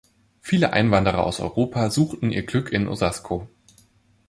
Viele Einwanderer aus Europa suchten ihr Glück in Osasco.